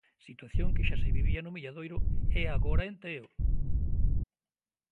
Situación que xa se vivía no Milladoiro e agora en Teo.